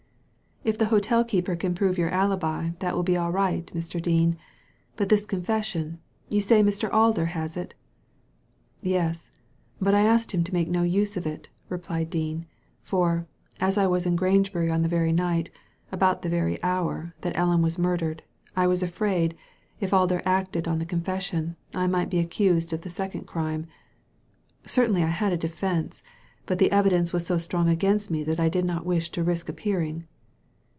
" If the hotel keeper can prove your alibi that will be all right, Mr. Dean. But this confession; you say Mr. Alder has it ?" ''Yes. But I asked him to make no use of i^*' replied Dean, " for, as I was in Grangebury on the very night — ^about the very hour — that Ellen was murdered, I was afraid, if Alder acted on the con fession, I might be accused of the second crime. Certainly I had a defence ; but the evidence was so strong against me that I did not wish to risk appearing."